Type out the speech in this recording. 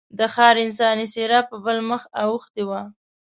د ښار انساني څېره په بل مخ اوښتې وه.